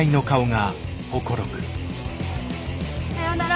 さようなら。